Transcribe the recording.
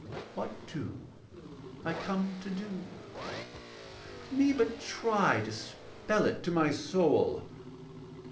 What do I come to do? Let me but try To spell it to my soul.